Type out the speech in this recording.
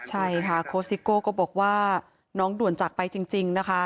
ใช่ค่ะโค้ชซิโก้ก็บอกว่าน้องด่วนจากไปจริงนะคะ